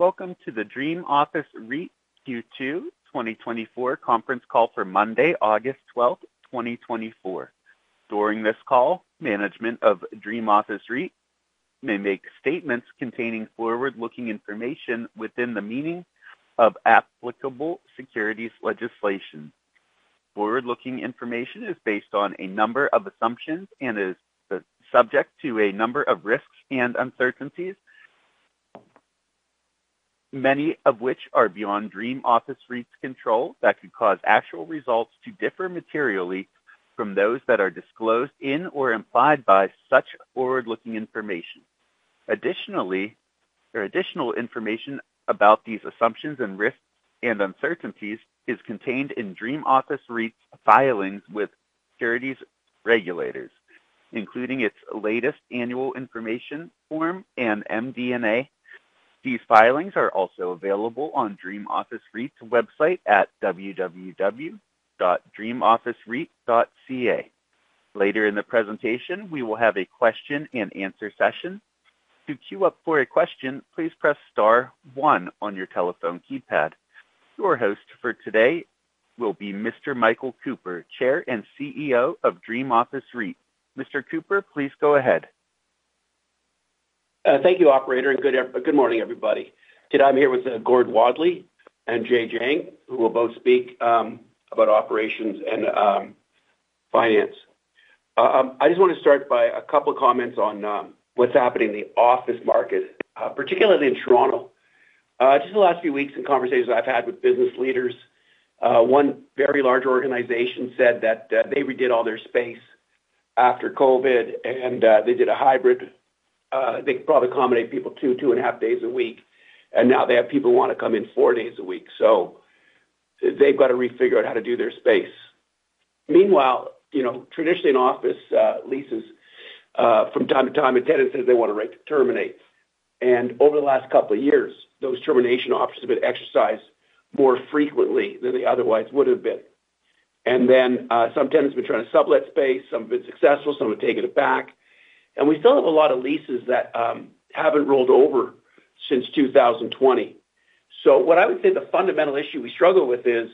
...Welcome to the Dream Office REIT Q2 2024 conference call for Monday, August 12, 2024. During this call, management of Dream Office REIT may make statements containing forward-looking information within the meaning of applicable securities legislation. Forward-looking information is based on a number of assumptions and is subject to a number of risks and uncertainties, many of which are beyond Dream Office REIT's control, that could cause actual results to differ materially from those that are disclosed in or implied by such forward-looking information. Additionally, or additional information about these assumptions and risks and uncertainties is contained in Dream Office REIT's filings with securities regulators, including its latest annual information form and MD&A. These filings are also available on Dream Office REIT's website at www.dreamofficereit.ca. Later in the presentation, we will have a question and answer session. To queue up for a question, please press star one on your telephone keypad. Your host for today will be Mr. Michael Cooper, Chair and CEO of Dream Office REIT. Mr. Cooper, please go ahead. Thank you, operator, and good morning, everybody. Today, I'm here with Gord Wadley and Jay Jang, who will both speak about operations and finance. I just want to start by a couple of comments on what's happening in the office market, particularly in Toronto. Just the last few weeks in conversations I've had with business leaders, one very large organization said that they redid all their space after COVID, and they did a hybrid. They could probably accommodate people two, two and a half days a week, and now they have people who want to come in four days a week. So they've got to refigure out how to do their space. Meanwhile, you know, traditionally in office leases, from time to time, a tenant says they want to terminate, and over the last couple of years, those termination options have been exercised more frequently than they otherwise would have been. And then, some tenants have been trying to sublet space. Some have been successful, some have taken it back. And we still have a lot of leases that haven't rolled over since 2020. So what I would say the fundamental issue we struggle with is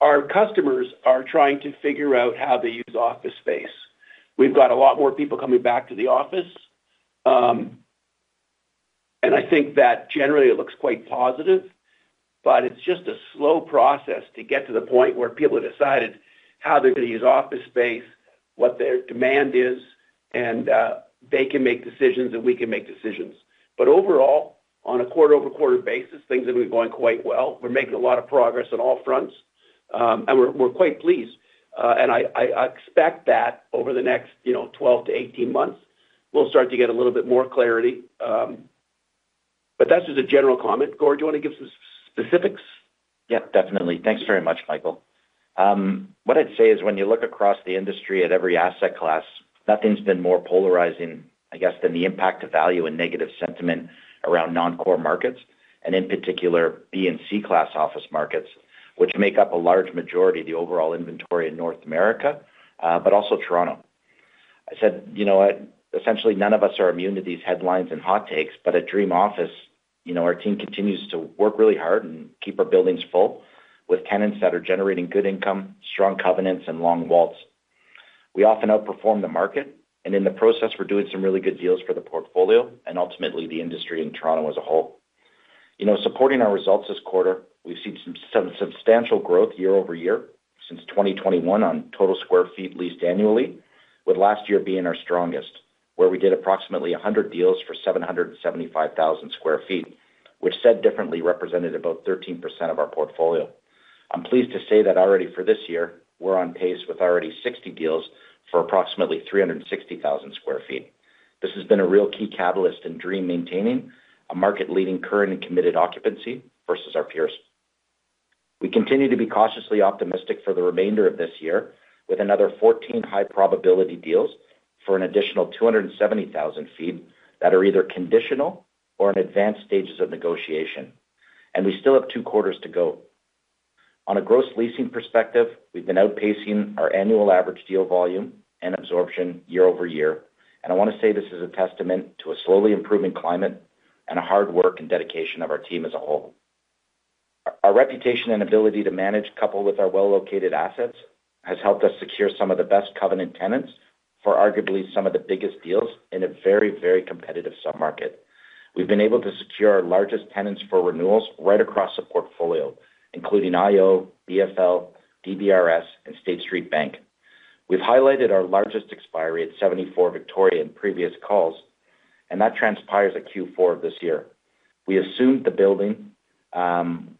our customers are trying to figure out how they use office space. We've got a lot more people coming back to the office, and I think that generally it looks quite positive, but it's just a slow process to get to the point where people have decided how they're going to use office space, what their demand is, and they can make decisions, and we can make decisions. But overall, on a quarter-over-quarter basis, things have been going quite well. We're making a lot of progress on all fronts, and we're quite pleased. And I expect that over the next, you know, 12-18 months, we'll start to get a little bit more clarity. But that's just a general comment. Gord, do you want to give some specifics? Yep, definitely. Thanks very much, Michael. What I'd say is when you look across the industry at every asset class, nothing's been more polarizing, I guess, than the impact of value and negative sentiment around non-core markets, and in particular, B and C class office markets, which make up a large majority of the overall inventory in North America, but also Toronto. I said, you know what? Essentially, none of us are immune to these headlines and hot takes, but at Dream Office, you know, our team continues to work really hard and keep our buildings full with tenants that are generating good income, strong covenants, and long WALTs. We often outperform the market, and in the process, we're doing some really good deals for the portfolio and ultimately the industry in Toronto as a whole. You know, supporting our results this quarter, we've seen some substantial growth year-over-year, since 2021 on total sq ft leased annually, with last year being our strongest, where we did approximately 100 deals for 775,000 sq ft, which said differently, represented about 13% of our portfolio. I'm pleased to say that already for this year, we're on pace with already 60 deals for approximately 360,000 sq ft. This has been a real key catalyst in Dream maintaining a market-leading current and committed occupancy versus our peers. We continue to be cautiously optimistic for the remainder of this year, with another 14 high-probability deals for an additional 270,000 sq ft that are either conditional or in advanced stages of negotiation, and we still have two quarters to go. On a gross leasing perspective, we've been outpacing our annual average deal volume and absorption year-over-year. I want to say this is a testament to a slowly improving climate and a hard work and dedication of our team as a whole. Our reputation and ability to manage, coupled with our well-located assets, has helped us secure some of the best covenant tenants for arguably some of the biggest deals in a very, very competitive submarket. We've been able to secure our largest tenants for renewals right across the portfolio, including IO, BFL, DBRS, and State Street Bank. We've highlighted our largest expiry at 74 Victoria in previous calls, and that transpires at Q4 of this year. We assumed the building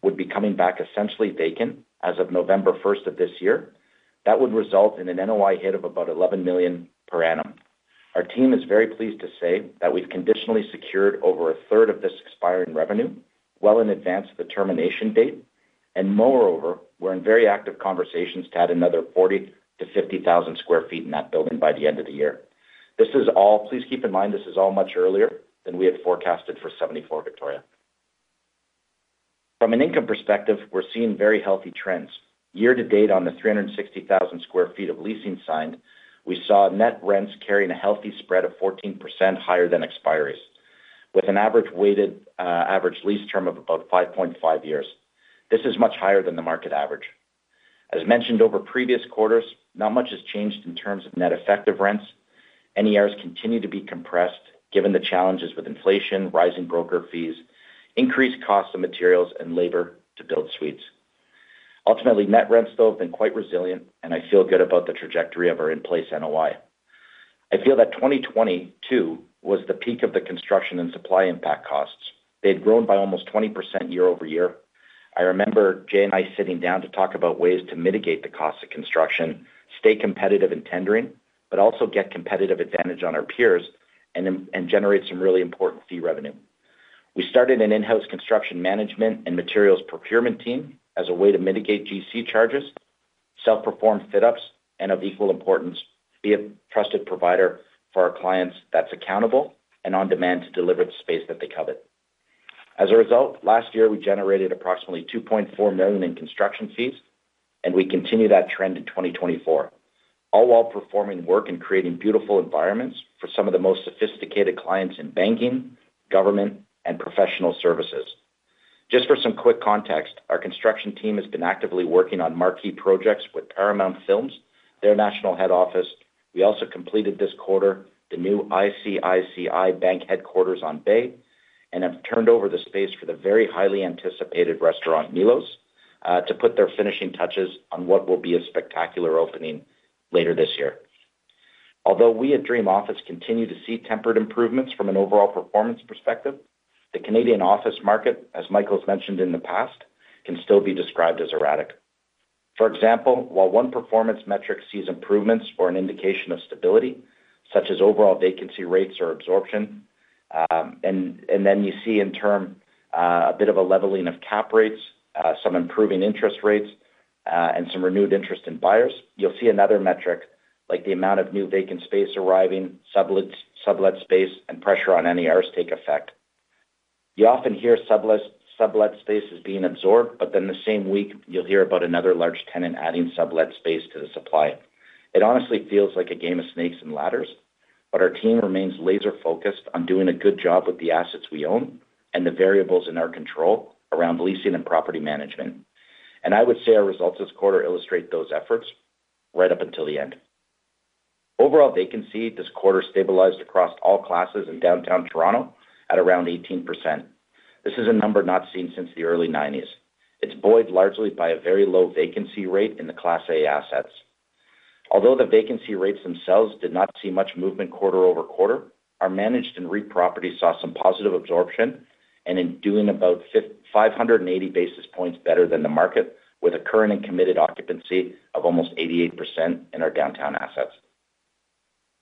would be coming back essentially vacant as of November first of this year. That would result in an NOI hit of about 11 million per annum. Our team is very pleased to say that we've conditionally secured over a third of this expiring revenue well in advance of the termination date, and moreover, we're in very active conversations to add another 40,000-50,000 sq ft in that building by the end of the year. This is all, please keep in mind, this is all much earlier than we had forecasted for 74 Victoria... From an income perspective, we're seeing very healthy trends. Year-to-date, on the 360,000 sq ft of leasing signed, we saw net rents carrying a healthy spread of 14% higher than expiries, with an average weighted, average lease term of about 5.5 years. This is much higher than the market average. As mentioned over previous quarters, not much has changed in terms of net effective rents. NERs continue to be compressed, given the challenges with inflation, rising broker fees, increased cost of materials and labor to build suites. Ultimately, net rents, though, have been quite resilient, and I feel good about the trajectory of our in-place NOI. I feel that 2022 was the peak of the construction and supply impact costs. They had grown by almost 20% year-over-year. I remember Jay and I sitting down to talk about ways to mitigate the cost of construction, stay competitive in tendering, but also get competitive advantage on our peers and, and generate some really important fee revenue. We started an in-house construction management and materials procurement team as a way to mitigate GC charges, self-perform fit ups, and of equal importance, be a trusted provider for our clients that's accountable and on demand to deliver the space that they covet. As a result, last year, we generated approximately 2.4 million in construction fees, and we continue that trend in 2024, all while performing work and creating beautiful environments for some of the most sophisticated clients in banking, government, and professional services. Just for some quick context, our construction team has been actively working on marquee projects with Paramount Films, their national head office. We also completed this quarter, the new ICICI Bank headquarters on Bay, and have turned over the space for the very highly anticipated restaurant, Milos, to put their finishing touches on what will be a spectacular opening later this year. Although we at Dream Office continue to see tempered improvements from an overall performance perspective, the Canadian office market, as Michael has mentioned in the past, can still be described as erratic. For example, while one performance metric sees improvements or an indication of stability, such as overall vacancy rates or absorption, and then you see in turn a bit of a leveling of cap rates, some improving interest rates, and some renewed interest in buyers. You'll see another metric, like the amount of new vacant space arriving, sublet, sublet space, and pressure on NERs take effect. You often hear sublet, sublet space is being absorbed, but then the same week you'll hear about another large tenant adding sublet space to the supply. It honestly feels like a game of snakes and ladders, but our team remains laser-focused on doing a good job with the assets we own and the variables in our control around leasing and property management. And I would say our results this quarter illustrate those efforts right up until the end. Overall vacancy this quarter stabilized across all classes in downtown Toronto at around 18%. This is a number not seen since the early nineties. It's buoyed largely by a very low vacancy rate in the Class A assets. Although the vacancy rates themselves did not see much movement quarter-over-quarter, our managed and REIT properties saw some positive absorption, and in doing about five hundred and eighty basis points better than the market, with a current and committed occupancy of almost 88% in our downtown assets.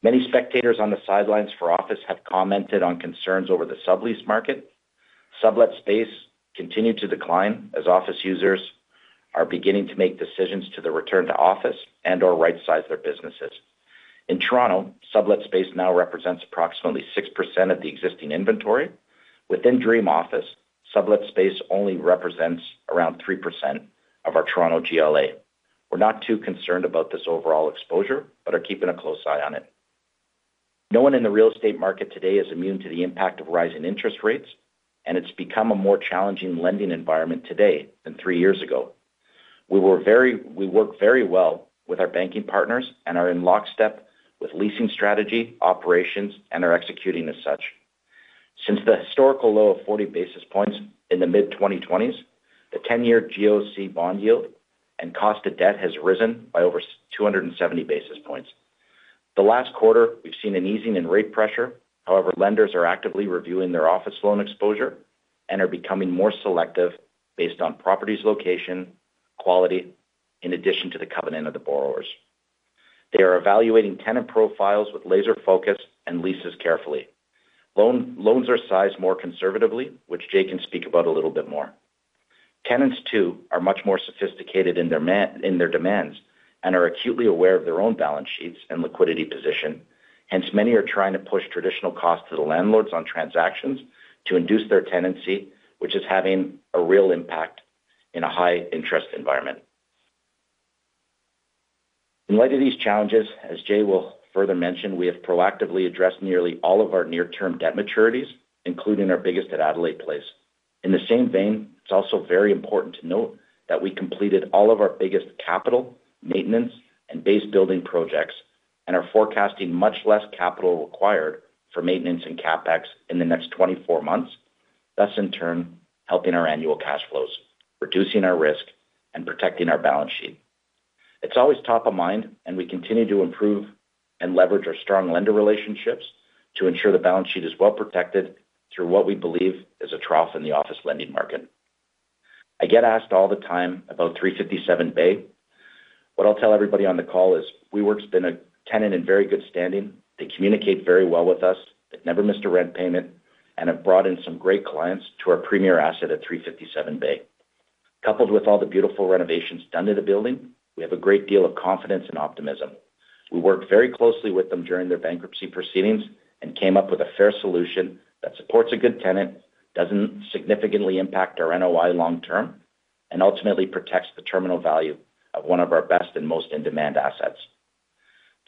Many spectators on the sidelines for office have commented on concerns over the sublease market. Sublet space continued to decline as office users are beginning to make decisions to the return to office and or rightsize their businesses. In Toronto, sublet space now represents approximately 6% of the existing inventory. Within Dream Office, sublet space only represents around 3% of our Toronto GLA. We're not too concerned about this overall exposure, but are keeping a close eye on it. No one in the real estate market today is immune to the impact of rising interest rates, and it's become a more challenging lending environment today than 3 years ago. We work very well with our banking partners and are in lockstep with leasing strategy, operations, and are executing as such. Since the historical low of 40 basis points in the mid-2020s, the 10-year GOC bond yield and cost of debt has risen by over 270 basis points. The last quarter, we've seen an easing in rate pressure. However, lenders are actively reviewing their office loan exposure and are becoming more selective based on property's location, quality, in addition to the covenant of the borrowers. They are evaluating tenant profiles with laser focus and leases carefully. Loans are sized more conservatively, which Jay can speak about a little bit more. Tenants, too, are much more sophisticated in their demands and are acutely aware of their own balance sheets and liquidity position. Hence, many are trying to push traditional costs to the landlords on transactions to induce their tenancy, which is having a real impact in a high-interest environment. In light of these challenges, as Jay will further mention, we have proactively addressed nearly all of our near-term debt maturities, including our biggest at Adelaide Place. In the same vein, it's also very important to note that we completed all of our biggest capital, maintenance, and base building projects, and are forecasting much less capital required for maintenance and CapEx in the next 24 months. Thus, in turn, helping our annual cash flows, reducing our risk, and protecting our balance sheet. It's always top of mind, and we continue to improve and leverage our strong lender relationships to ensure the balance sheet is well protected through what we believe is a trough in the office lending market. I get asked all the time about 357 Bay. What I'll tell everybody on the call is WeWork's been a tenant in very good standing. They communicate very well with us. They've never missed a rent payment and have brought in some great clients to our premier asset at 357 Bay. coupled with all the beautiful renovations done to the building, we have a great deal of confidence and optimism. We worked very closely with them during their bankruptcy proceedings and came up with a fair solution that supports a good tenant, doesn't significantly impact our NOI long term, and ultimately protects the terminal value of one of our best and most in-demand assets.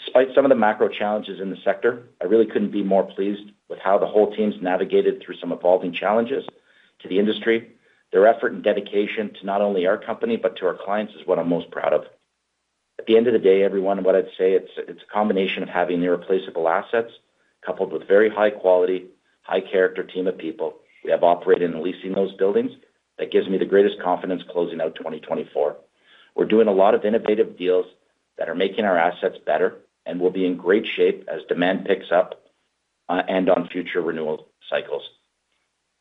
Despite some of the macro challenges in the sector, I really couldn't be more pleased with how the whole team's navigated through some evolving challenges to the industry. Their effort and dedication to not only our company, but to our clients, is what I'm most proud of. At the end of the day, everyone, what I'd say, it's, it's a combination of having irreplaceable assets, coupled with very high quality, high character team of people. We have operating and leasing those buildings. That gives me the greatest confidence closing out 2024. We're doing a lot of innovative deals that are making our assets better, and we'll be in great shape as demand picks up, and on future renewal cycles.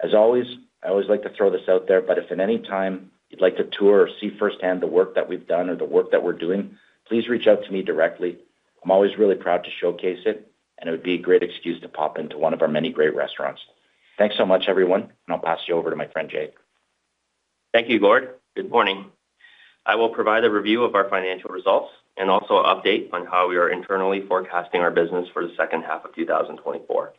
As always, I always like to throw this out there, but if at any time you'd like to tour or see firsthand the work that we've done or the work that we're doing, please reach out to me directly. I'm always really proud to showcase it, and it would be a great excuse to pop into one of our many great restaurants. Thanks so much, everyone, and I'll pass you over to my friend, Jay. Thank you, Gord. Good morning. I will provide a review of our financial results and also an update on how we are internally forecasting our business for the second half of 2024.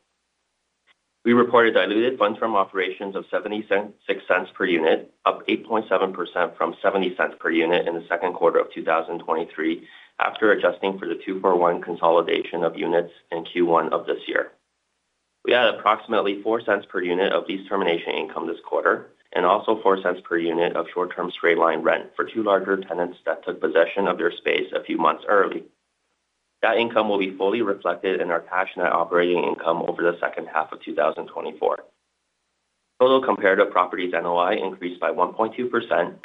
We reported diluted funds from operations of 0.76 per unit, up 8.7% from 0.70 per unit in the second quarter of 2023, after adjusting for the 2-for-1 consolidation of units in Q1 of this year. We had approximately 0.04 per unit of lease termination income this quarter, and also 0.04 per unit of short-term straight-line rent for 2 larger tenants that took possession of their space a few months early. That income will be fully reflected in our cash net operating income over the second half of 2024. Total comparable properties NOI increased by 1.2%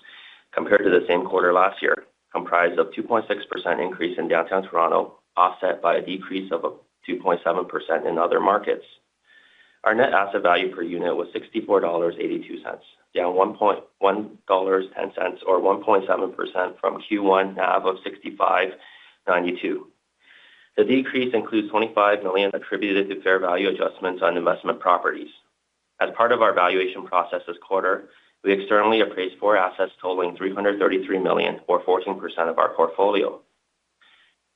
compared to the same quarter last year, comprised of 2.6% increase in downtown Toronto, offset by a decrease of 2.7% in other markets. Our net asset value per unit was 64.82 dollars, down one dollar and ten cents, or 1.7% from Q1 NAV of 65.92. The decrease includes 25 million attributed to fair value adjustments on investment properties. As part of our valuation process this quarter, we externally appraised 4 assets totaling 333 million, or 14% of our portfolio.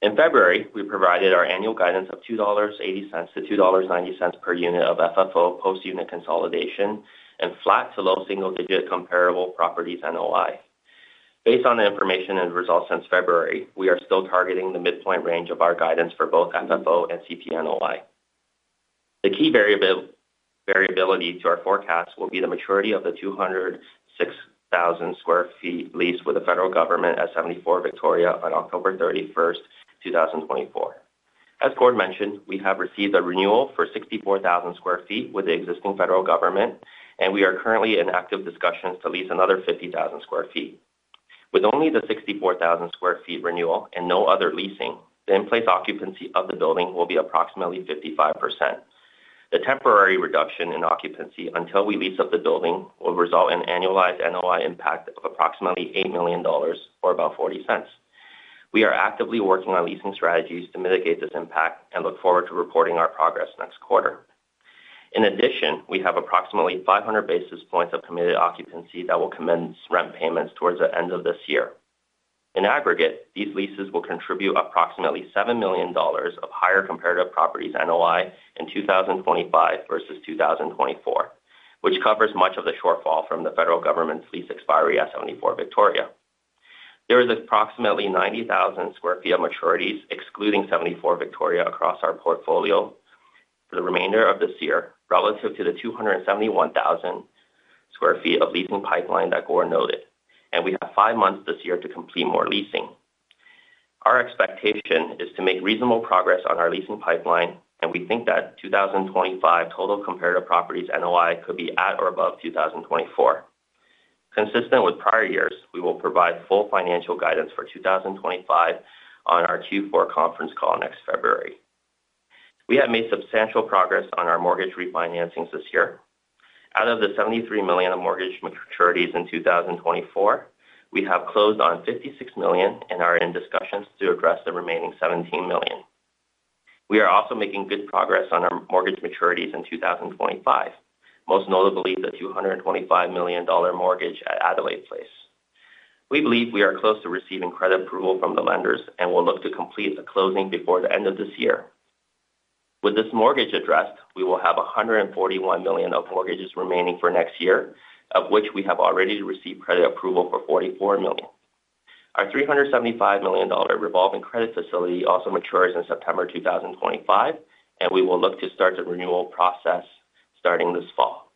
In February, we provided our annual guidance of 2.80-2.90 dollars per unit of FFO post unit consolidation, and flat to low single-digit comparable properties NOI. Based on the information and results since February, we are still targeting the midpoint range of our guidance for both FFO and CPNOI. The key variability to our forecast will be the maturity of the 206,000 sq ft leased with the federal government at 74 Victoria on October 31, 2024. As Gord mentioned, we have received a renewal for 64,000 sq ft with the existing federal government, and we are currently in active discussions to lease another 50,000 sq ft. With only the 64,000 sq ft renewal and no other leasing, the in-place occupancy of the building will be approximately 55%. The temporary reduction in occupancy until we lease up the building will result in an annualized NOI impact of approximately 8 million dollars, or about 0.40. We are actively working on leasing strategies to mitigate this impact and look forward to reporting our progress next quarter. In addition, we have approximately 500 basis points of committed occupancy that will commence rent payments towards the end of this year. In aggregate, these leases will contribute approximately 7 million dollars of higher comparable properties NOI in 2025 versus 2024, which covers much of the shortfall from the federal government's lease expiry at 74 Victoria. There is approximately 90,000 sq ft of maturities, excluding 74 Victoria, across our portfolio for the remainder of this year, relative to the 271,000 sq ft of leasing pipeline that Gord noted, and we have 5 months this year to complete more leasing. Our expectation is to make reasonable progress on our leasing pipeline, and we think that 2025 total comparable properties NOI could be at or above 2024. Consistent with prior years, we will provide full financial guidance for 2025 on our Q4 conference call next February. We have made substantial progress on our mortgage refinancings this year. Out of the 73 million of mortgage maturities in 2024, we have closed on 56 million and are in discussions to address the remaining 17 million. We are also making good progress on our mortgage maturities in 2025, most notably the 225 million dollar mortgage at Adelaide Place. We believe we are close to receiving credit approval from the lenders and will look to complete the closing before the end of this year. With this mortgage addressed, we will have 141 million of mortgages remaining for next year, of which we have already received credit approval for 44 million. Our 375 million dollar revolving credit facility also matures in September 2025, and we will look to start the renewal process starting this fall.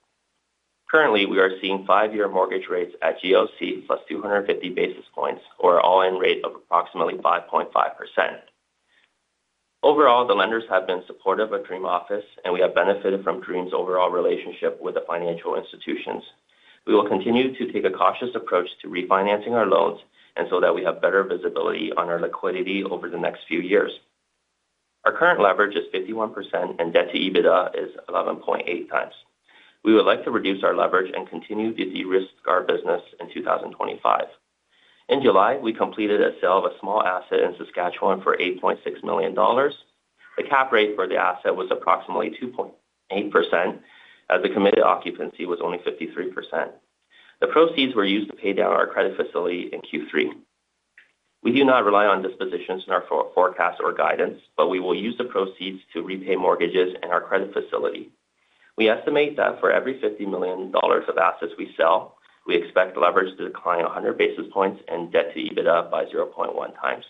Currently, we are seeing 5-year mortgage rates at GOC plus 250 basis points, or an all-in rate of approximately 5.5%. Overall, the lenders have been supportive of Dream Office, and we have benefited from Dream's overall relationship with the financial institutions. We will continue to take a cautious approach to refinancing our loans and so that we have better visibility on our liquidity over the next few years. Our current leverage is 51%, and Debt to EBITDA is 11.8 times. We would like to reduce our leverage and continue to de-risk our business in 2025. ...In July, we completed a sale of a small asset in Saskatchewan for 8.6 million dollars. The cap rate for the asset was approximately 2.8%, as the committed occupancy was only 53%. The proceeds were used to pay down our credit facility in Q3. We do not rely on dispositions in our forecast or guidance, but we will use the proceeds to repay mortgages and our credit facility. We estimate that for every 50 million dollars of assets we sell, we expect leverage to decline 100 basis points and debt to EBITDA by 0.1 times.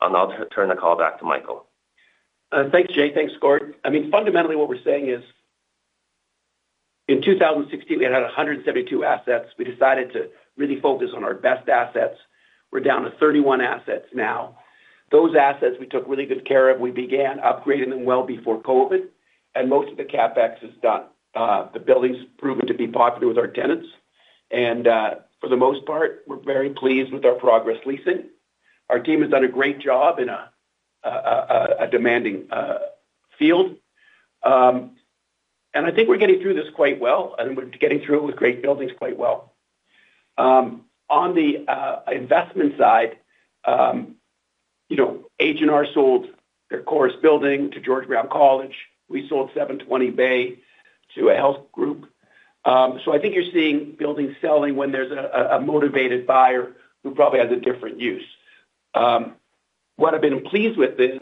I'll turn the call back to Michael. Thanks, Jay. Thanks, Gord. I mean, fundamentally, what we're saying is, in 2016, we had 172 assets. We decided to really focus on our best assets. We're down to 31 assets now. Those assets we took really good care of, we began upgrading them well before COVID, and most of the CapEx is done. The building's proven to be popular with our tenants, and, for the most part, we're very pleased with our progress leasing. Our team has done a great job in a demanding field. And I think we're getting through this quite well, and we're getting through it with great buildings quite well. On the investment side, you know, H&R sold their Corus Quay to George Brown College. We sold 720 Bay to a health group. So I think you're seeing buildings selling when there's a motivated buyer who probably has a different use. What I've been pleased with is,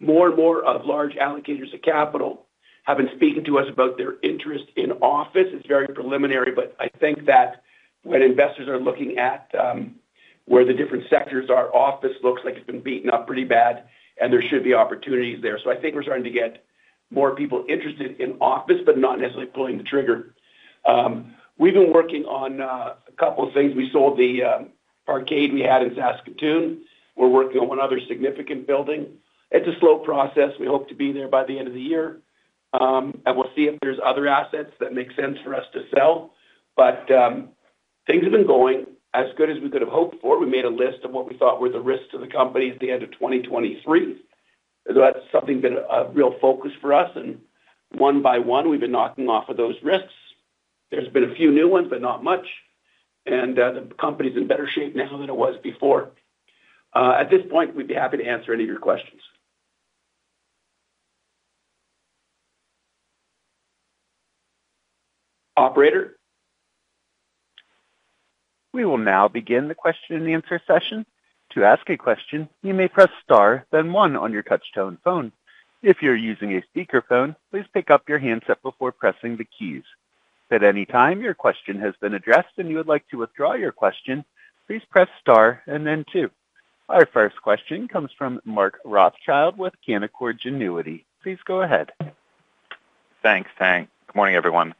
more and more of large allocators of capital have been speaking to us about their interest in office. It's very preliminary, but I think that when investors are looking at where the different sectors are, office looks like it's been beaten up pretty bad, and there should be opportunities there. So I think we're starting to get more people interested in office, but not necessarily pulling the trigger. We've been working on a couple of things. We sold the Arcade we had in Saskatoon. We're working on one other significant building. It's a slow process. We hope to be there by the end of the year. And we'll see if there's other assets that make sense for us to sell. But, things have been going as good as we could have hoped for. We made a list of what we thought were the risks to the company at the end of 2023. So that's something been a real focus for us, and one by one, we've been knocking off of those risks. There's been a few new ones, but not much, and the company's in better shape now than it was before. At this point, we'd be happy to answer any of your questions. Operator? We will now begin the question and answer session. To ask a question, you may press star, then one on your touchtone phone. If you're using a speakerphone, please pick up your handset before pressing the keys. If at any time your question has been addressed and you would like to withdraw your question, please press star and then two. Our first question comes from Mark Rothschild with Canaccord Genuity. Please go ahead. Thanks. Hey, good morning, everyone.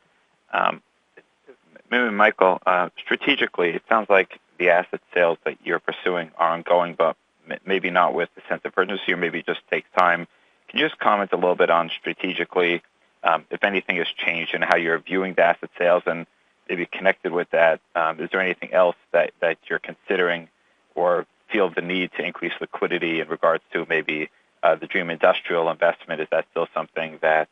Maybe, Michael, strategically, it sounds like the asset sales that you're pursuing are ongoing, but maybe not with the sense of urgency, or maybe it just takes time. Can you just comment a little bit on strategically, if anything has changed in how you're viewing the asset sales? And maybe connected with that, is there anything else that you're considering or feel the need to increase liquidity in regards to maybe, the Dream Industrial investment? Is that still something that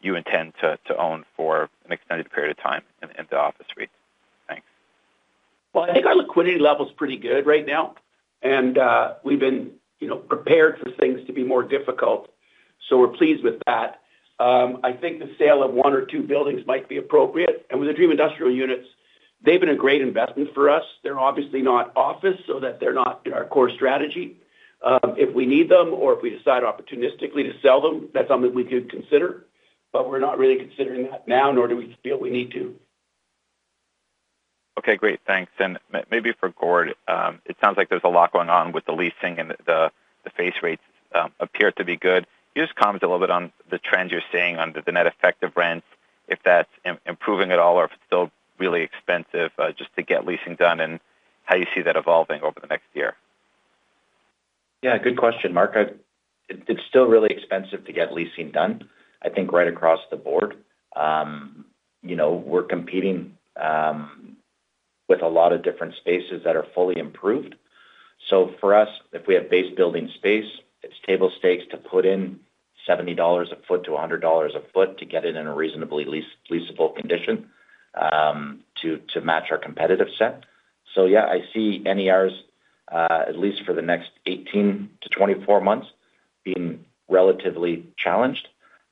you intend to own for an extended period of time in the office suite? Thanks. Well, I think our liquidity level is pretty good right now, and, we've been, you know, prepared for things to be more difficult, so we're pleased with that. I think the sale of one or two buildings might be appropriate, and with the Dream Industrial units, they've been a great investment for us. They're obviously not office, so that they're not in our core strategy. If we need them or if we decide opportunistically to sell them, that's something we could consider, but we're not really considering that now, nor do we feel we need to. Okay, great. Thanks. Then maybe for Gord, it sounds like there's a lot going on with the leasing and the face rates appear to be good. Can you just comment a little bit on the trends you're seeing under the net effective rent, if that's improving at all, or if it's still really expensive just to get leasing done and how you see that evolving over the next year? Yeah, good question, Mark. It's still really expensive to get leasing done, I think, right across the board. You know, we're competing with a lot of different spaces that are fully improved. So for us, if we have base building space, it's table stakes to put in 70 dollars a foot to 100 dollars a foot to get it in a reasonably leasable condition, to match our competitive set. So yeah, I see NERs at least for the next 18 to 24 months, being relatively challenged.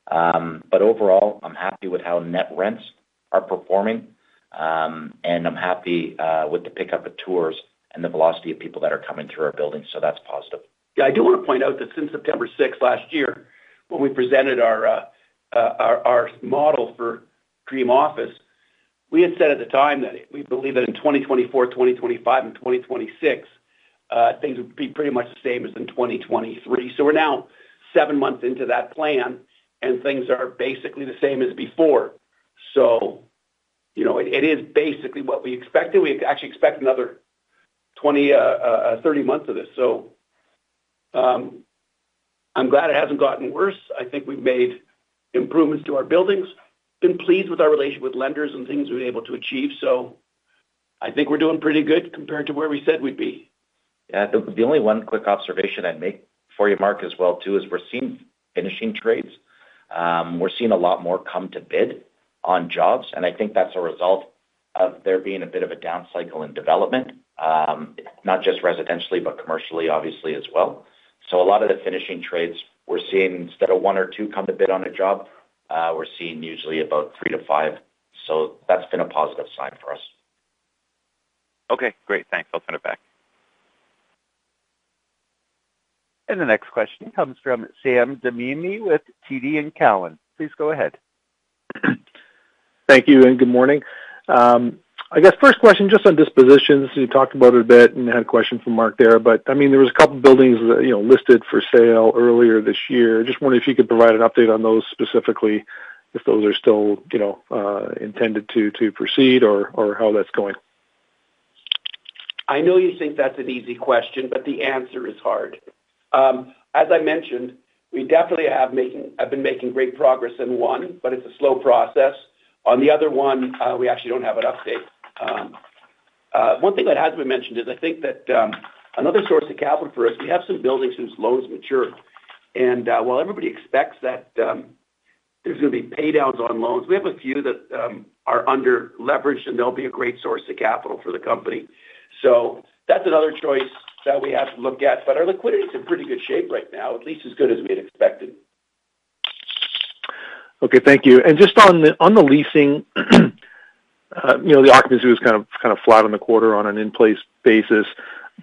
But overall, I'm happy with how net rents are performing, and I'm happy with the pickup of tours and the velocity of people that are coming through our buildings, so that's positive. Yeah, I do want to point out that since September sixth last year, when we presented our, our, our model for Dream Office, we had said at the time that we believe that in 2024, 2025, and 2026, things would be pretty much the same as in 2023. So we're now seven months into that plan, and things are basically the same as before. So you know, it is basically what we expected. We actually expect another twenty, thirty months of this. So, I'm glad it hasn't gotten worse. I think we've made improvements to our buildings, been pleased with our relationship with lenders and things we've been able to achieve. So I think we're doing pretty good compared to where we said we'd be.... Yeah, the only one quick observation I'd make for you, Mark, as well, too, is we're seeing finishing trades. We're seeing a lot more come to bid on jobs, and I think that's a result of there being a bit of a down cycle in development, not just residentially, but commercially, obviously, as well. So a lot of the finishing trades we're seeing, instead of one or two come to bid on a job, we're seeing usually about three to five. So that's been a positive sign for us. Okay, great. Thanks. I'll send it back. The next question comes from Sam Damiani with TD Cowen. Please go ahead. Thank you, and good morning. I guess first question, just on dispositions. You talked about it a bit and had a question from Mark there, but, I mean, there was a couple buildings that, you know, listed for sale earlier this year. Just wondering if you could provide an update on those specifically, if those are still, you know, intended to proceed or how that's going. I know you think that's an easy question, but the answer is hard. As I mentioned, we definitely have been making great progress in one, but it's a slow process. On the other one, we actually don't have an update. One thing that hasn't been mentioned is I think that another source of capital for us, we have some buildings whose loans mature. And while everybody expects that, there's going to be paydowns on loans, we have a few that are under leveraged, and they'll be a great source of capital for the company. So that's another choice that we have to look at, but our liquidity is in pretty good shape right now, at least as good as we had expected. Okay. Thank you. And just on the leasing, you know, the occupancy was kind of flat on the quarter on an in-place basis,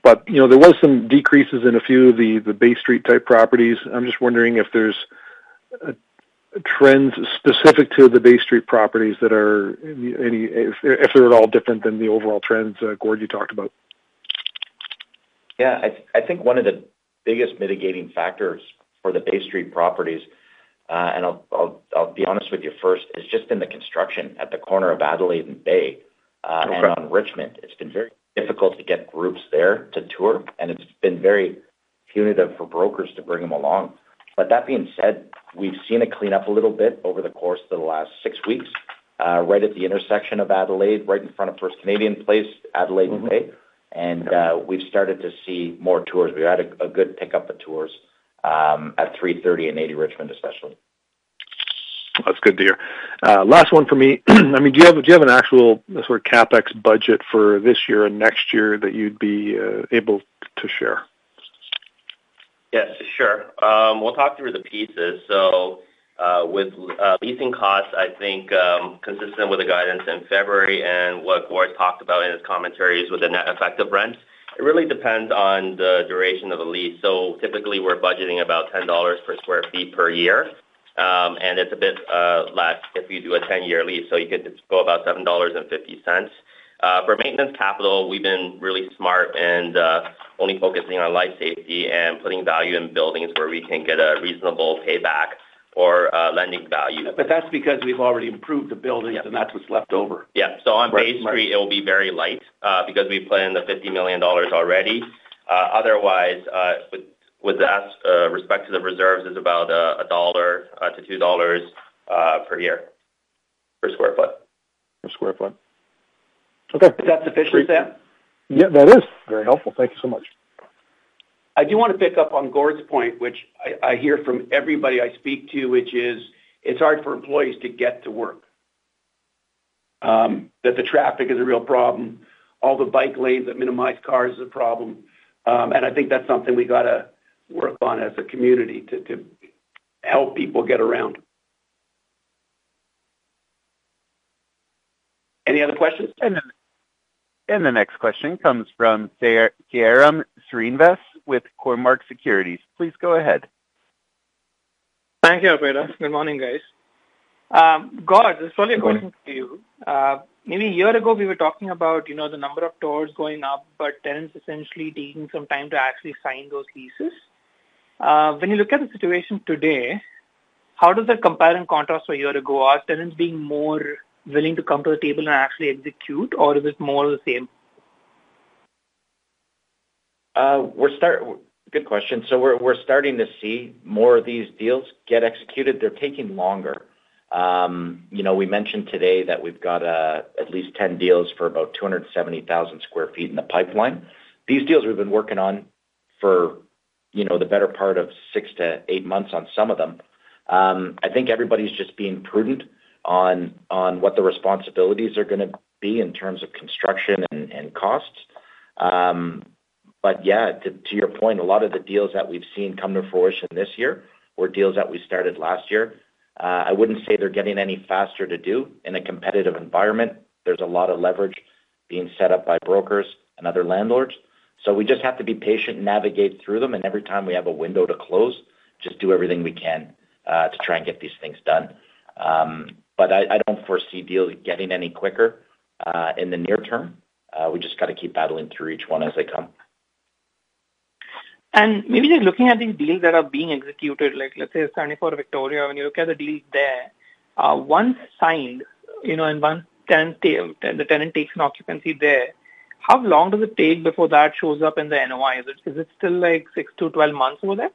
but, you know, there was some decreases in a few of the Bay Street-type properties. I'm just wondering if there's trends specific to the Bay Street properties if they're at all different than the overall trends, Gord, you talked about. Yeah. I think one of the biggest mitigating factors for the Bay Street properties, and I'll be honest with you first, is just in the construction at the corner of Adelaide and Bay, and on Richmond. It's been very difficult to get groups there to tour, and it's been very punitive for brokers to bring them along. But that being said, we've seen it clean up a little bit over the course of the last six weeks, right at the intersection of Adelaide, right in front of First Canadian Place, Adelaide and Bay, and, we've started to see more tours. We had a good pickup of tours, at 330 and 80 Richmond, especially. That's good to hear. Last one for me. I mean, do you have, do you have an actual sort of CapEx budget for this year and next year that you'd be able to share? Yes, sure. We'll talk through the pieces. So, with leasing costs, I think, consistent with the guidance in February and what Gord talked about in his commentaries with the net effect of rent, it really depends on the duration of the lease. So typically, we're budgeting about 10 dollars per sq ft per year, and it's a bit less if you do a 10-year lease, so you could just go about 7.50 dollars. For maintenance capital, we've been really smart and only focusing on life safety and putting value in buildings where we can get a reasonable payback or lending value. But that's because we've already improved the buildings, and that's what's left over. Yeah. So on Bay Street, it will be very light, because we plan the 50 million dollars already. Otherwise, with that respect to the reserves, is about 1-2 dollars per year, per sq ft. Per sq ft. Okay. Is that sufficient, Sam? Yeah, that is very helpful. Thank you so much. I do want to pick up on Gord's point, which I hear from everybody I speak to, which is it's hard for employees to get to work. That the traffic is a real problem. All the bike lanes that minimize cars is a problem, and I think that's something we got to work on as a community to help people get around. Any other questions? The next question comes from Sairam Srinivas with Cormark Securities. Please go ahead. Thank you, Operator. Good morning, guys. Gord, this one is going to you. Maybe a year ago, we were talking about, you know, the number of tours going up, but tenants essentially taking some time to actually sign those leases. When you look at the situation today, how does that compare and contrast for a year ago? Are tenants being more willing to come to the table and actually execute, or is it more the same? Good question. So we're, we're starting to see more of these deals get executed. They're taking longer. You know, we mentioned today that we've got at least 10 deals for about 270,000 sq ft in the pipeline. These deals we've been working on for, you know, the better part of 6-8 months on some of them. I think everybody's just being prudent on, on what the responsibilities are going to be in terms of construction and, and costs. But yeah, to, to your point, a lot of the deals that we've seen come to fruition this year were deals that we started last year. I wouldn't say they're getting any faster to do in a competitive environment. There's a lot of leverage being set up by brokers and other landlords, so we just have to be patient and navigate through them, and every time we have a window to close, just do everything we can to try and get these things done. But I don't foresee deals getting any quicker in the near term. We just got to keep battling through each one as they come. Maybe just looking at these deals that are being executed, like, let's say, 74 Victoria, when you look at the deals there, once signed, you know, and one tenant, the tenant takes an occupancy there, how long does it take before that shows up in the NOI? Is it, is it still, like, 6-12 months over there?...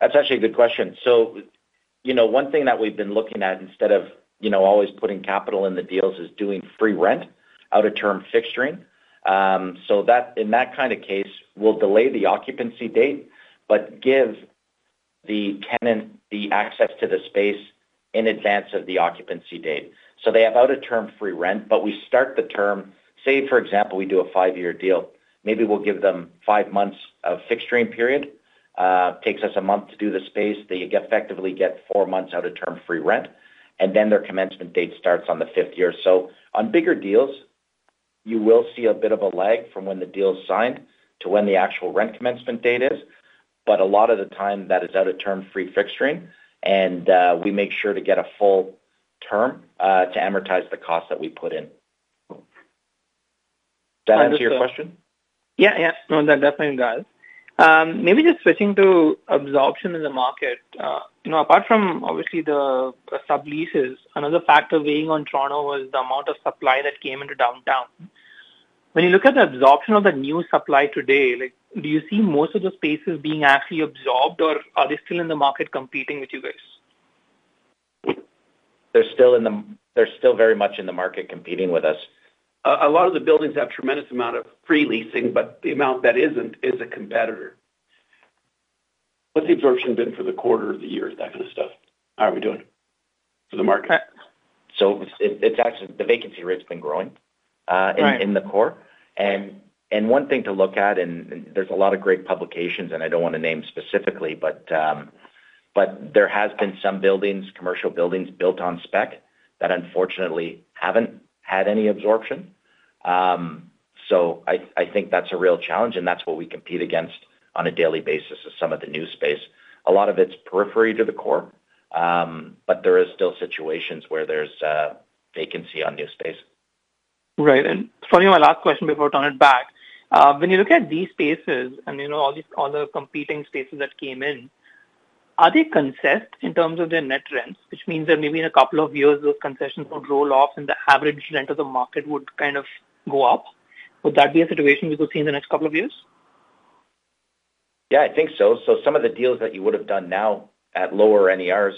That's actually a good question. So, you know, one thing that we've been looking at instead of, you know, always putting capital in the deals is doing free rent out of term fixturing. So that in that kind of case, we'll delay the occupancy date, but give the tenant the access to the space in advance of the occupancy date. So they have out-of-term free rent, but we start the term. Say, for example, we do a 5-year deal. Maybe we'll give them 5 months of fixturing period. Takes us a month to do the space. They effectively get 4 months out of term free rent, and then their commencement date starts on the 5th year. So on bigger deals, you will see a bit of a lag from when the deal is signed to when the actual rent commencement date is. But a lot of the time, that is out of term free fixturing, and we make sure to get a full term to amortize the cost that we put in. Does that answer your question? Yeah, yeah. No, that definitely does. Maybe just switching to absorption in the market, you know, apart from obviously the subleases, another factor weighing on Toronto was the amount of supply that came into downtown. When you look at the absorption of the new supply today, like, do you see most of the spaces being actually absorbed, or are they still in the market competing with you guys? They're still very much in the market competing with us. A lot of the buildings have tremendous amount of free leasing, but the amount that isn't is a competitor. What's the absorption been for the quarter of the year, that kind of stuff? How are we doing for the market? It's actually the vacancy rate's been growing. Right. in the core. And one thing to look at, and there's a lot of great publications, and I don't want to name specifically, but there has been some buildings, commercial buildings, built on spec that unfortunately haven't had any absorption. So I think that's a real challenge, and that's what we compete against on a daily basis as some of the new space. A lot of it's periphery to the core, but there is still situations where there's vacancy on new space. Right. And finally, my last question before I turn it back. When you look at these spaces and, you know, all these, all the competing spaces that came in, are they concessed in terms of their net rents? Which means that maybe in a couple of years, those concessions would roll off and the average rent of the market would kind of go up. Would that be a situation we could see in the next couple of years? Yeah, I think so. So some of the deals that you would have done now at lower NERs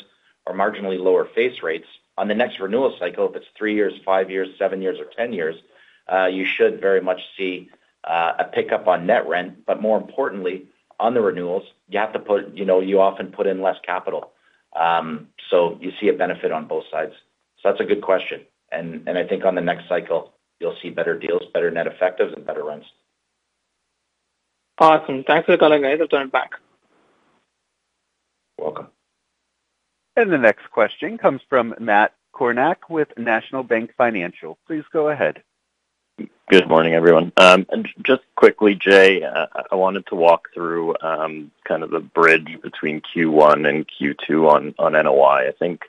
or marginally lower face rates, on the next renewal cycle, if it's 3 years, 5 years, 7 years, or 10 years, you should very much see a pickup on net rent. But more importantly, on the renewals, you have to put... You know, you often put in less capital, so you see a benefit on both sides. So that's a good question, and I think on the next cycle, you'll see better deals, better net effectives, and better rents. Awesome. Thanks for the call, guys. I'll turn it back. You're welcome. The next question comes from Matt Kornack with National Bank Financial. Please go ahead. Good morning, everyone. Just quickly, Jay, I wanted to walk through kind of the bridge between Q1 and Q2 on NOI. I think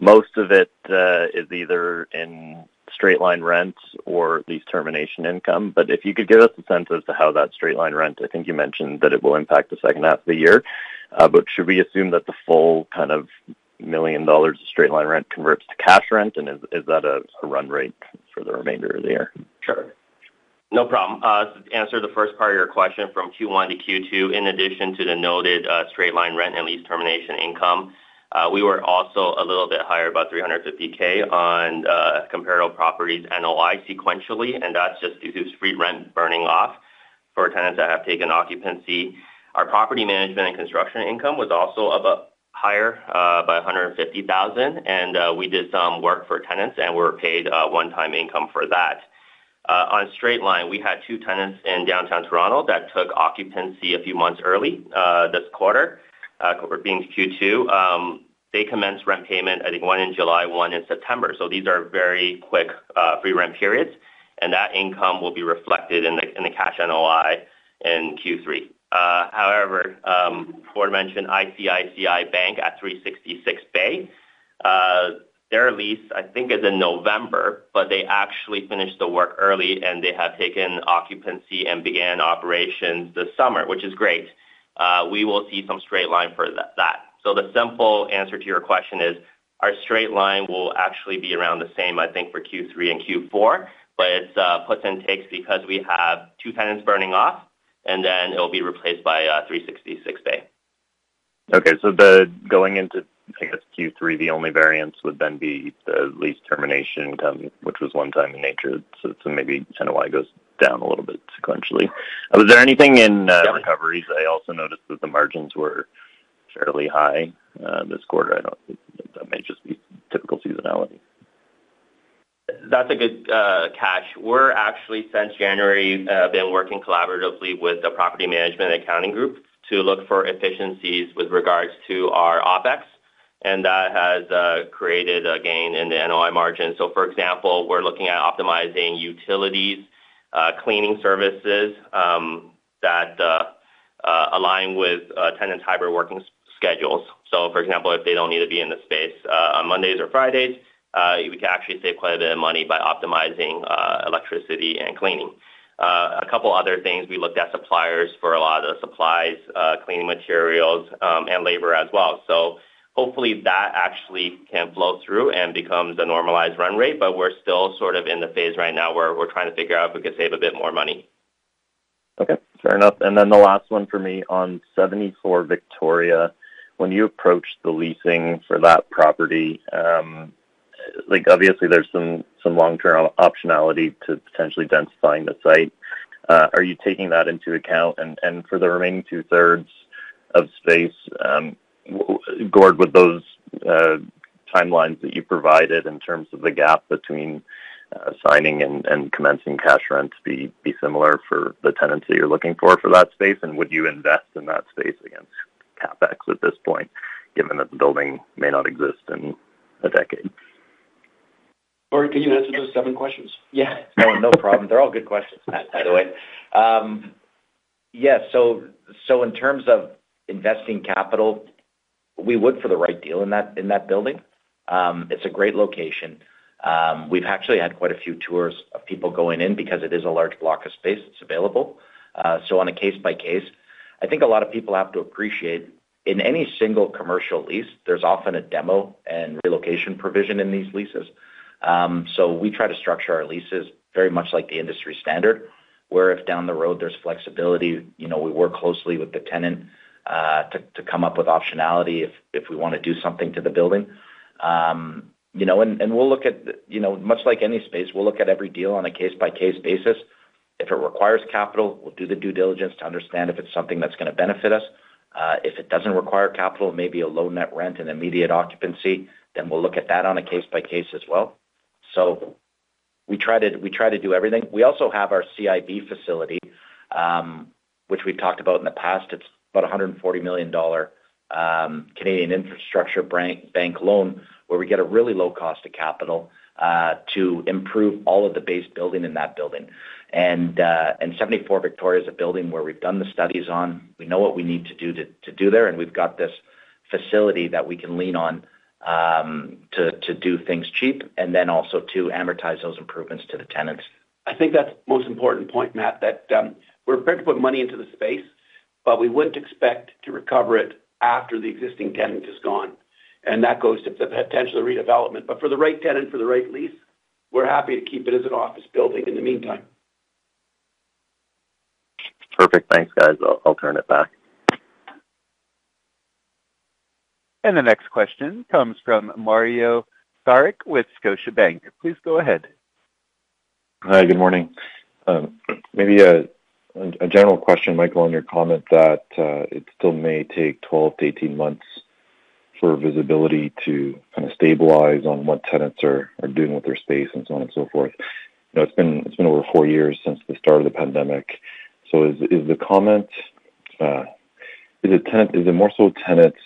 most of it is either in straight line rents or the termination income. If you could give us a sense as to how that straight line rent, I think you mentioned that it will impact the second half of the year. Should we assume that the full kind of 1 million dollars of straight line rent converts to cash rent, and is that a run rate for the remainder of the year? Sure. No problem. To answer the first part of your question from Q1 to Q2, in addition to the noted straight-line rent and lease termination income, we were also a little bit higher, about 350,000 on comparable properties NOI sequentially, and that's just due to free rent burning off for tenants that have taken occupancy. Our property management and construction income was also about higher by 150,000, and we did some work for tenants, and we were paid a one-time income for that. On straight line, we had two tenants in downtown Toronto that took occupancy a few months early this quarter, being Q2. They commenced rent payment, I think, one in July, one in September. So these are very quick, free rent periods, and that income will be reflected in the cash NOI in Q3. However, before I mentioned ICICI Bank at 366 Bay. Their lease, I think, is in November, but they actually finished the work early, and they have taken occupancy and began operations this summer, which is great. We will see some straight line for that. So the simple answer to your question is, our straight line will actually be around the same, I think, for Q3 and Q4, but it's puts and takes because we have two tenants burning off, and then it'll be replaced by 366 Bay. Okay. So going into, I guess, Q3, the only variance would then be the lease termination income, which was one time in nature. So maybe NOI goes down a little bit sequentially. Was there anything in recoveries? I also noticed that the margins were fairly high this quarter. I don't think. That may just be typical seasonality. That's a good catch. We're actually, since January, been working collaboratively with the property management accounting group to look for efficiencies with regards to our OpEx, and that has created a gain in the NOI margin. So, for example, we're looking at optimizing utilities, cleaning services, that align with tenants' hybrid working schedules. So, for example, if they don't need to be in the space on Mondays or Fridays, we can actually save quite a bit of money by optimizing electricity and cleaning. A couple other things, we looked at suppliers for a lot of the supplies, cleaning materials, and labor as well. Hopefully, that actually can flow through and becomes a normalized run rate, but we're still sort of in the phase right now where we're trying to figure out if we could save a bit more money.... Okay, fair enough. And then the last one for me on 74 Victoria, when you approach the leasing for that property, like, obviously there's some long-term optionality to potentially densifying the site. Are you taking that into account? And for the remaining two-thirds of space, Gord, would those timelines that you provided in terms of the gap between signing and commencing cash rent be similar for the tenants that you're looking for for that space? And would you invest in that space against CapEx at this point, given that the building may not exist in a decade? Gord, can you answer those seven questions? Yeah, no, no problem. They're all good questions, by the way. Yes, so in terms of investing capital, we would for the right deal in that, in that building. It's a great location. We've actually had quite a few tours of people going in because it is a large block of space that's available. So on a case by case, I think a lot of people have to appreciate, in any single commercial lease, there's often a demo and relocation provision in these leases. So we try to structure our leases very much like the industry standard, where if down the road, there's flexibility, you know, we work closely with the tenant, to come up with optionality if we want to do something to the building. You know, and we'll look at, you know, much like any space, we'll look at every deal on a case-by-case basis. If it requires capital, we'll do the due diligence to understand if it's something that's going to benefit us. If it doesn't require capital, maybe a low net rent and immediate occupancy, then we'll look at that on a case-by-case basis as well. So we try to do everything. We also have our CIB facility, which we've talked about in the past. It's about 140 million Canadian dollars Canadian Infrastructure Bank loan, where we get a really low cost of capital to improve all of the base building in that building. And 74 Victoria is a building where we've done the studies on. We know what we need to do to do there, and we've got this facility that we can lean on, to do things cheap and then also to amortize those improvements to the tenants. I think that's the most important point, Matt, that we're prepared to put money into the space, but we wouldn't expect to recover it after the existing tenant is gone, and that goes to the potential redevelopment. But for the right tenant, for the right lease, we're happy to keep it as an office building in the meantime. Perfect. Thanks, guys. I'll turn it back. The next question comes from Mario Saric with Scotiabank. Please go ahead. Hi, good morning. Maybe a general question, Michael, on your comment that it still may take 12-18 months for visibility to kind of stabilize on what tenants are doing with their space and so on and so forth. You know, it's been over four years since the start of the pandemic. So is the comment is it more so tenants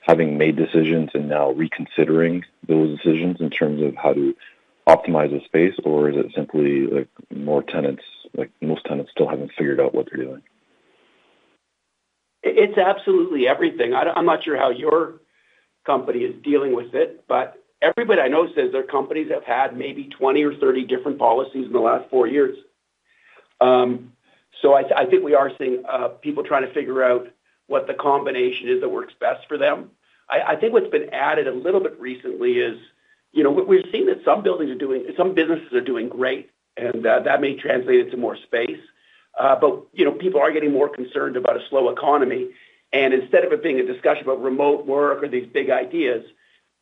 having made decisions and now reconsidering those decisions in terms of how to optimize the space, or is it simply, like, more tenants, like, most tenants still haven't figured out what they're doing? It's absolutely everything. I'm not sure how your company is dealing with it, but everybody I know says their companies have had maybe 20 or 30 different policies in the last four years. So I think we are seeing people trying to figure out what the combination is that works best for them. I think what's been added a little bit recently is, you know, we've seen that some buildings are doing some businesses are doing great, and that may translate into more space. But you know, people are getting more concerned about a slow economy, and instead of it being a discussion about remote work or these big ideas,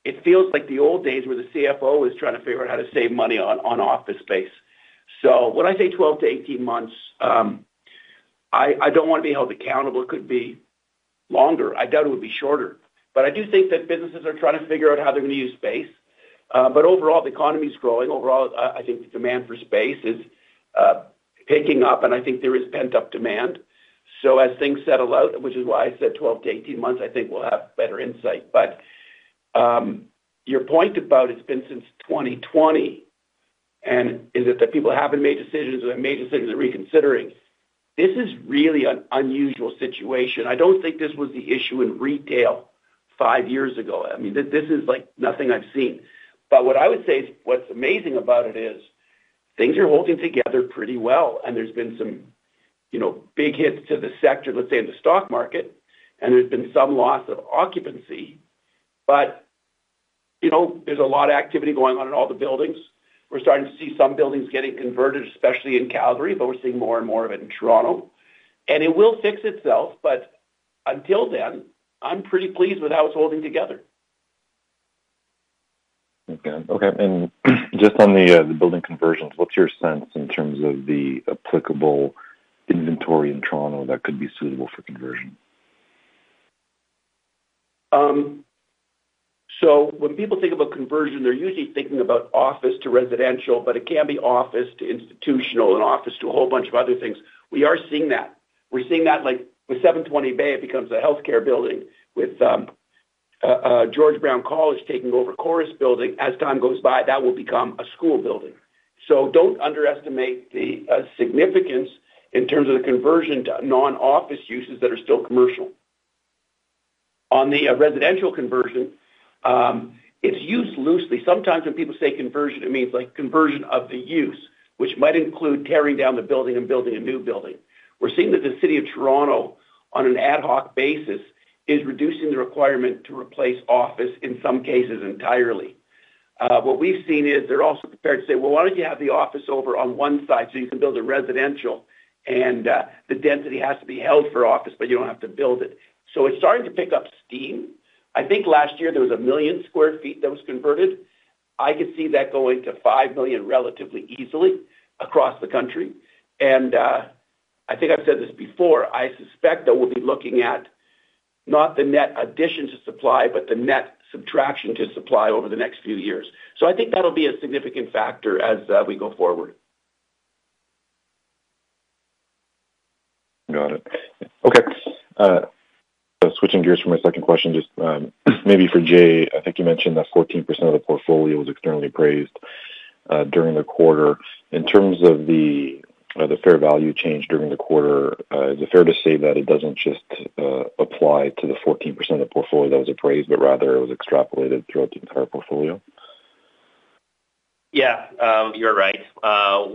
it feels like the old days where the CFO is trying to figure out how to save money on office space. So when I say 12-18 months, I don't want to be held accountable. It could be longer. I doubt it would be shorter. But I do think that businesses are trying to figure out how they're going to use space. But overall, the economy is growing. Overall, I think the demand for space is picking up, and I think there is pent-up demand. So as things settle out, which is why I said 12-18 months, I think we'll have better insight. But your point about it's been since 2020, and is it that people haven't made decisions or have made decisions and reconsidering. This is really an unusual situation. I don't think this was the issue in retail five years ago. I mean, this is like nothing I've seen. But what I would say is what's amazing about it is things are holding together pretty well, and there's been some, you know, big hits to the sector, let's say, in the stock market, and there's been some loss of occupancy. But, you know, there's a lot of activity going on in all the buildings. We're starting to see some buildings getting converted, especially in Calgary, but we're seeing more and more of it in Toronto, and it will fix itself, but until then, I'm pretty pleased with how it's holding together. Okay. Okay, and just on the building conversions, what's your sense in terms of the applicable inventory in Toronto that could be suitable for conversion? So when people think about conversion, they're usually thinking about office to residential, but it can be office to institutional and office to a whole bunch of other things. We are seeing that. We're seeing that, like, with 720 Bay Street, it becomes a healthcare building, with George Brown College taking over Corus Quay. As time goes by, that will become a school building. So don't underestimate the significance in terms of the conversion to non-office uses that are still commercial. On the residential conversion, it's used loosely. Sometimes when people say conversion, it means, like, conversion of the use, which might include tearing down the building and building a new building. We're seeing that the City of Toronto, on an ad hoc basis, is reducing the requirement to replace office in some cases entirely.... What we've seen is they're also prepared to say, "Well, why don't you have the office over on one side so you can build a residential? And, the density has to be held for office, but you don't have to build it." So it's starting to pick up steam. I think last year there was 1 million sq ft that was converted. I could see that going to 5 million sq ft relatively easily across the country. And, I think I've said this before, I suspect that we'll be looking at not the net addition to supply, but the net subtraction to supply over the next few years. So I think that'll be a significant factor as, we go forward. Got it. Okay, switching gears for my second question, just, maybe for Jay. I think you mentioned that 14% of the portfolio was externally appraised, during the quarter. In terms of the, the fair value change during the quarter, is it fair to say that it doesn't just, apply to the 14% of the portfolio that was appraised, but rather it was extrapolated throughout the entire portfolio? Yeah, you're right.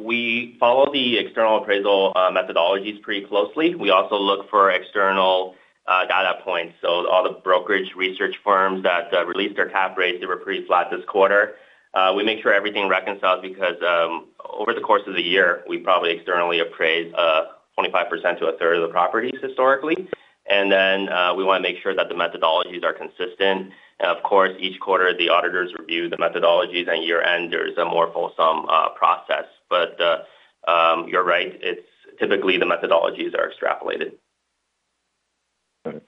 We follow the external appraisal methodologies pretty closely. We also look for external data points. So all the brokerage research firms that released their cap rates, they were pretty flat this quarter. We make sure everything reconciles because, over the course of the year, we probably externally appraise 25% to a third of the properties historically. And then, we want to make sure that the methodologies are consistent. And of course, each quarter, the auditors review the methodologies, and year-end, there's a more fulsome process. But, you're right, it's typically the methodologies are extrapolated.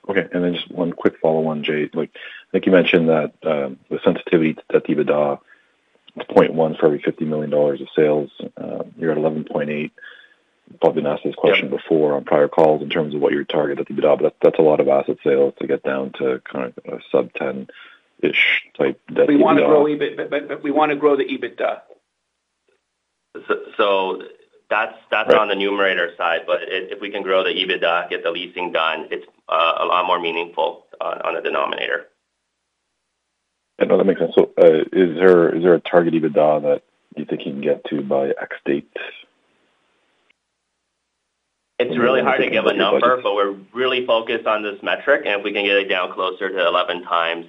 Okay. And then just one quick follow-on, Jay. Like, I think you mentioned that, the sensitivity to the EBITDA is 0.1 for every 50 million dollars of sales. You're at 11.8. Probably been asked this question before on prior calls in terms of what your target at EBITDA, but that's a lot of asset sales to get down to kind of a sub-10-ish type EBITDA. We want to grow, but we want to grow the EBITDA. So that's- Right. - on the numerator side, but if we can grow the EBITDA, get the leasing done, it's a lot more meaningful on a denominator. I know that makes sense. So, is there, is there a target EBITDA that you think you can get to by X date? It's really hard to give a number, but we're really focused on this metric, and if we can get it down closer to 11 times,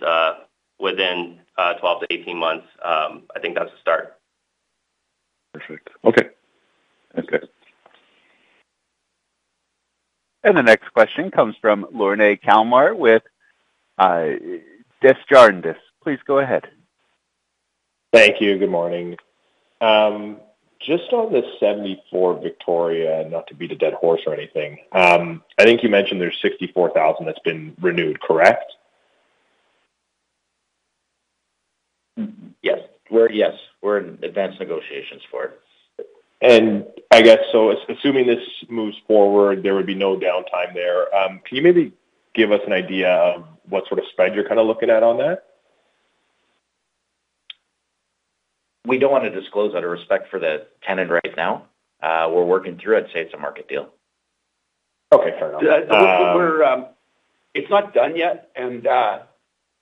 within 12-18 months, I think that's a start. Perfect. Okay. Okay. The next question comes from Lorne Kalmar with Desjardins. Please go ahead. Thank you. Good morning. Just on the 74 Victoria, not to beat a dead horse or anything, I think you mentioned there's 64,000 that's been renewed, correct? Yes. We're in advanced negotiations for it. I guess, so assuming this moves forward, there would be no downtime there. Can you maybe give us an idea of what sort of spread you're kinda looking at on that? We don't want to disclose out of respect for the tenant right now. We're working through it. I'd say it's a market deal. Okay, fair enough. We're, it's not done yet, and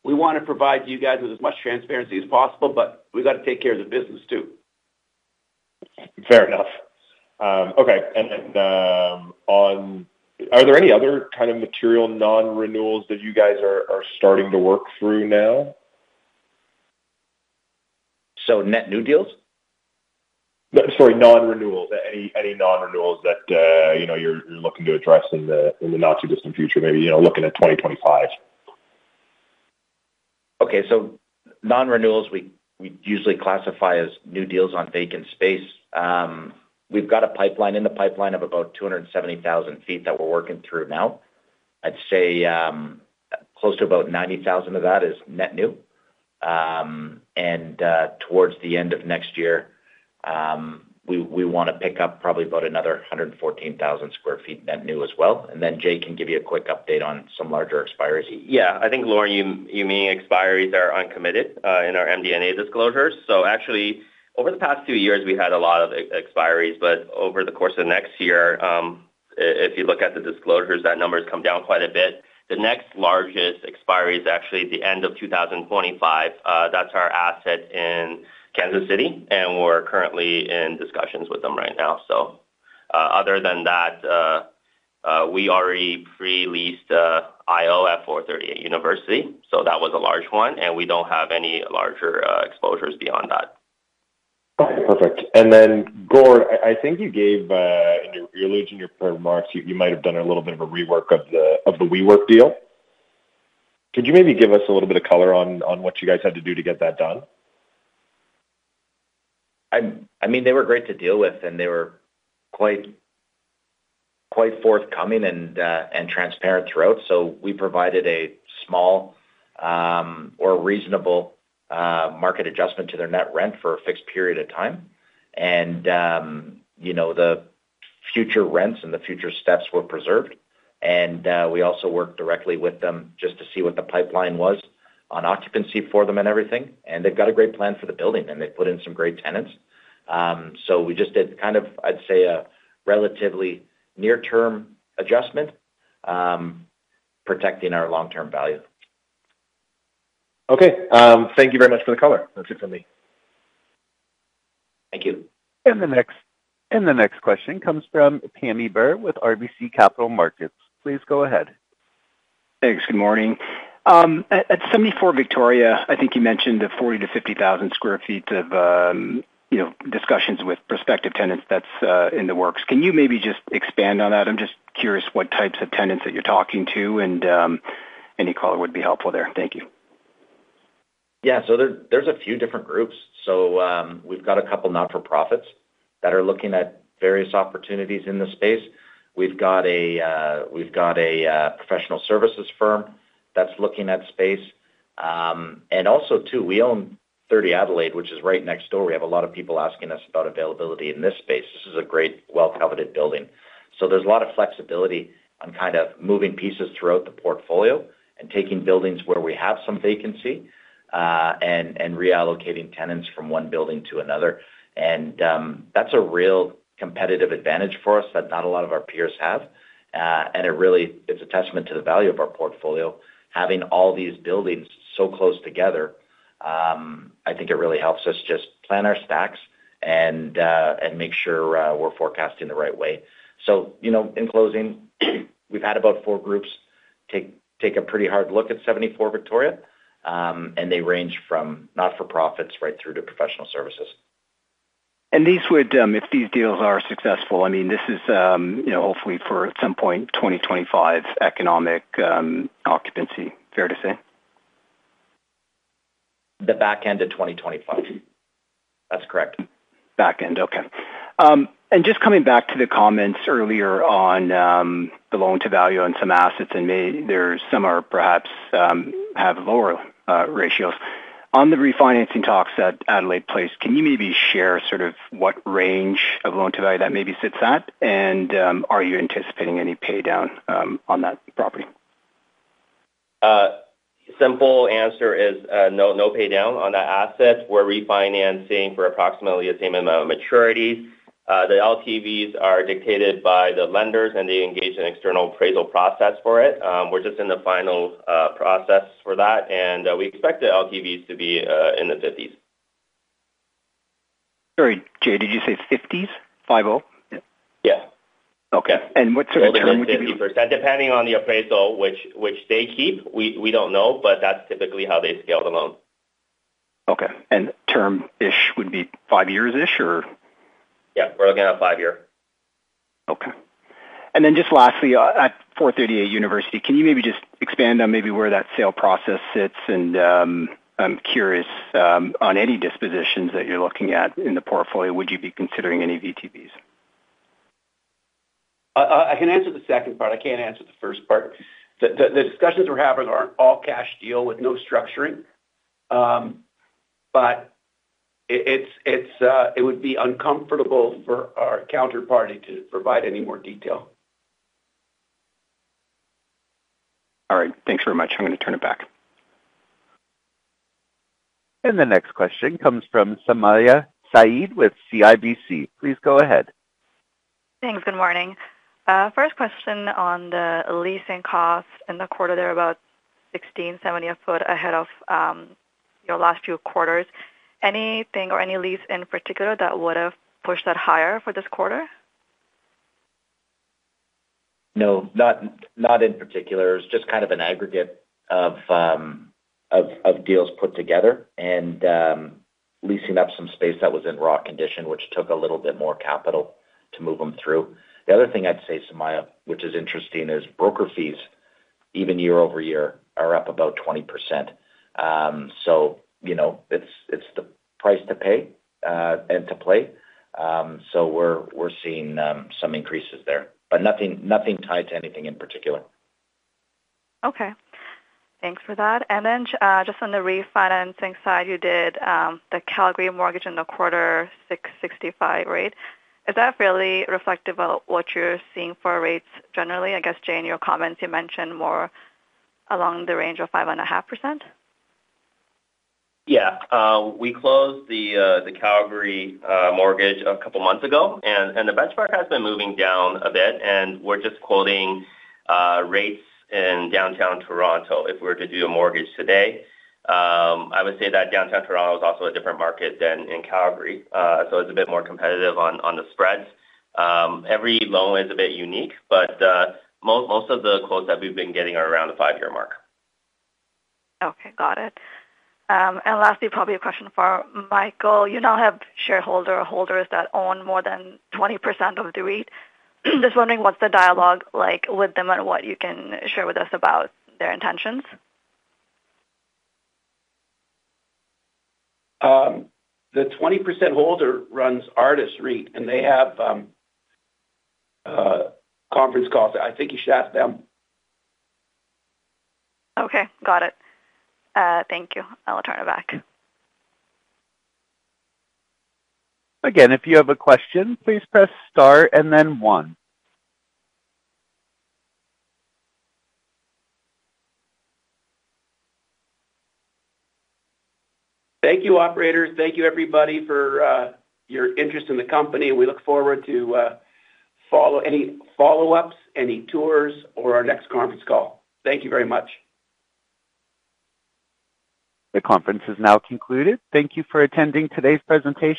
we want to provide you guys with as much transparency as possible, but we've got to take care of the business, too. Fair enough. Okay. And then, are there any other kind of material non-renewals that you guys are, are starting to work through now? So net new deals? Sorry, non-renewals. Any non-renewals that, you know, you're looking to address in the not-too-distant future? Maybe, you know, looking at 2025. Okay. So non-renewals, we usually classify as new deals on vacant space. We've got a pipeline of about 270,000 sq ft that we're working through now. I'd say close to about 90,000 of that is net new. And towards the end of next year, we want to pick up probably about another 114,000 sq ft net new as well. And then Jay can give you a quick update on some larger expiries. Yeah, I think, Lorne, you mean expiries are uncommitted in our MD&A disclosures. So actually, over the past few years, we had a lot of expiries, but over the course of next year, if you look at the disclosures, that number has come down quite a bit. The next largest expiry is actually at the end of 2025. That's our asset in Kansas City, and we're currently in discussions with them right now. So, other than that, we already pre-leased IO at 438 University, so that was a large one, and we don't have any larger exposures beyond that. Okay, perfect. And then, Gord, I think you gave in your earlier remarks, you might have done a little bit of a rework of the WeWork deal. Could you maybe give us a little bit of color on what you guys had to do to get that done? I mean, they were great to deal with, and they were quite forthcoming and transparent throughout. So we provided a small or reasonable market adjustment to their net rent for a fixed period of time. And you know, the future rents and the future steps were preserved, and we also worked directly with them just to see what the pipeline was on occupancy for them and everything. And they've got a great plan for the building, and they put in some great tenants. So we just did kind of, I'd say, a relatively near-term adjustment, protecting our long-term value. Okay. Thank you very much for the color. That's it for me.... Thank you. The next question comes from Pammi Bir with RBC Capital Markets. Please go ahead. Thanks. Good morning. At 74 Victoria, I think you mentioned the 40,000-50,000 sq ft of you know discussions with prospective tenants that's in the works. Can you maybe just expand on that? I'm just curious what types of tenants that you're talking to, and any color would be helpful there. Thank you. Yeah. So there, there's a few different groups. So, we've got a couple not-for-profits that are looking at various opportunities in the space. We've got a professional services firm that's looking at space. And also, too, we own 30 Adelaide, which is right next door. We have a lot of people asking us about availability in this space. This is a great, well-coveted building. So there's a lot of flexibility on kind of moving pieces throughout the portfolio and taking buildings where we have some vacancy and reallocating tenants from one building to another. And that's a real competitive advantage for us that not a lot of our peers have. And it really is a testament to the value of our portfolio. Having all these buildings so close together, I think it really helps us just plan our stacks and make sure we're forecasting the right way. So, you know, in closing, we've had about four groups take a pretty hard look at 74 Victoria, and they range from not-for-profits right through to professional services. These would, if these deals are successful, I mean, this is, you know, hopefully for, at some point, 2025's economic occupancy. Fair to say? The back end of 2025. That's correct. Back end. Okay. And just coming back to the comments earlier on, the loan-to-value on some assets, and maybe there's some are perhaps have lower ratios. On the refinancing talks at Adelaide Place, can you maybe share sort of what range of loan-to-value that maybe sits at? And, are you anticipating any pay down on that property? Simple answer is, no, no pay down on that asset. We're refinancing for approximately the same amount of maturities. The LTVs are dictated by the lenders, and they engage in external appraisal process for it. We're just in the final process for that, and we expect the LTVs to be in the fifties. Sorry, Jay, did you say 50s? 50? Yeah. Okay. And what sort of- 50%. Depending on the appraisal, which they keep, we don't know, but that's typically how they scale the loan. Okay. And term-ish would be five years-ish, or? Yeah, we're looking at five-year. Okay. And then just lastly, at 438 University Avenue, can you maybe just expand on maybe where that sale process sits? I'm curious, on any dispositions that you're looking at in the portfolio, would you be considering any VTBs? I can answer the second part. I can't answer the first part. The discussions we're having are an all-cash deal with no structuring. But it would be uncomfortable for our counterparty to provide any more detail. All right. Thanks very much. I'm going to turn it back. The next question comes from Sumayya Syed with CIBC. Please go ahead. Thanks. Good morning. First question on the leasing costs in the quarter, they're about 16-17 feet ahead of your last few quarters. Anything or any lease in particular that would have pushed that higher for this quarter? No, not in particular. It's just kind of an aggregate of deals put together and leasing up some space that was in raw condition, which took a little bit more capital to move them through. The other thing I'd say, Sumayya, which is interesting, is broker fees, even year-over-year, are up about 20%. So you know, it's the price to pay and to play. So we're seeing some increases there, but nothing tied to anything in particular. Okay. Thanks for that. And then, just on the refinancing side, you did, the Calgary mortgage in the quarter, 6.65% rate. Is that really reflective of what you're seeing for rates generally? I guess, Jay, in your comments, you mentioned more along the range of 5.5%. Yeah. We closed the Calgary mortgage a couple of months ago, and the benchmark has been moving down a bit, and we're just quoting rates in downtown Toronto. If we were to do a mortgage today, I would say that downtown Toronto is also a different market than in Calgary. So it's a bit more competitive on the spreads. Every loan is a bit unique, but most of the quotes that we've been getting are around the five-year mark. Okay, got it. And lastly, probably a question for Michael. You now have shareholders that own more than 20% of the REIT. Just wondering what's the dialogue like with them and what you can share with us about their intentions? The 20% holder runs Artis REIT, and they have conference calls. I think you should ask them. Okay, got it. Thank you. I'll turn it back. Again, if you have a question, please press Star and then One. Thank you, operator. Thank you, everybody, for your interest in the company. We look forward to any follow-ups, any tours, or our next conference call. Thank you very much. The conference is now concluded. Thank you for attending today's presentation.